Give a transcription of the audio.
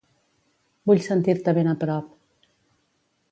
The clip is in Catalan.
Vull sentir-te ben a prop.